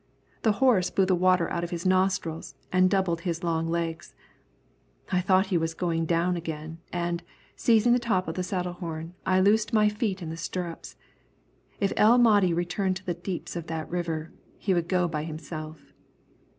The horse blew the water out of his nostrils and doubled his long legs. I thought he was going down again, and, seizing the top of the saddle horn, I loosed my feet in the stirrups. If El Mahdi returned to the deeps of that river, he would go by himself.